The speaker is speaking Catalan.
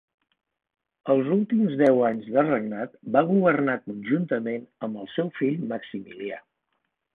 Els últims deu anys de regnat va governar conjuntament amb el seu fill Maximilià.